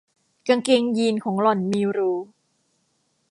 กางเกงยีนของหล่อนมีรู